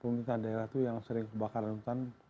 pemerintah daerah itu yang sering kebakaran hutan